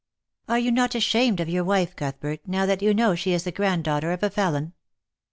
" Are you not ashamed of your wife, Cuthbert, now that you know she is the granddaughter of a felon ?